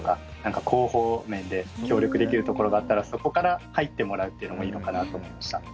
何か広報面で協力できるところがあったらそこから入ってもらうっていうのもいいのかなと思いました。